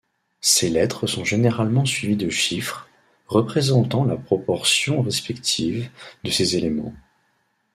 Ces lettres sont généralement suivies de chiffres, représentant la proportion respective de ces éléments.